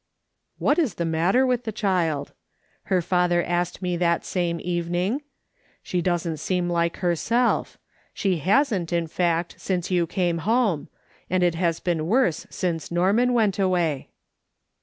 " What is the matter with the child ?" her father asked me that same evening. "She doesn't seem like herself ; she hasn't, in fact, since you came home; and it has been worse since Norman went away."